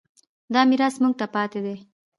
دا میراث موږ ته پاتې دی.